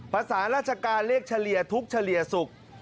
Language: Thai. ภาษาราชการเรียกเฉลี่ยทุกข์เฉลี่ยสุข